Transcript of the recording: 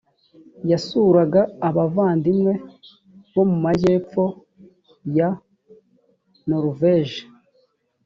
yasuraga abavandimwe bo mu majyepfo ya noruveje